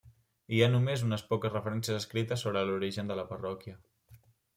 Hi ha només unes poques referències escrites sobre l'origen de la parròquia.